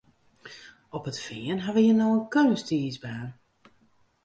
Op it Fean ha we hjir no in keunstiisbaan.